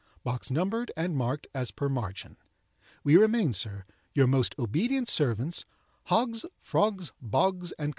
Box numbered and marked as per margin. "We remain, sir, "Your most ob'nt ser'ts, "HOGGS, FROGS, BOGS, & CO.